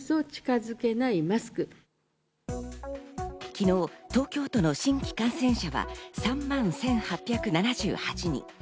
昨日、東京都の新規感染者は３万１８７８人。